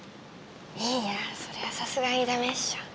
いやそれはさすがにダメっしょ。